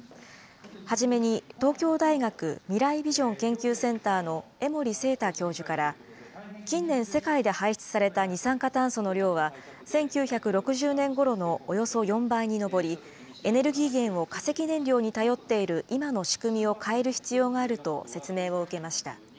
初めに東京大学未来ビジョン研究センターの江守正多教授から、近年世界で排出された二酸化炭素の量は１９６０年ごろのおよそ４倍に上り、エネルギー源を化石燃料に頼っている今の仕組みを変える必要があると説明を受けました。